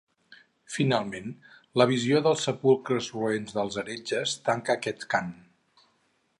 Finalment la visió dels sepulcres roents dels heretges, tanca aquest cant.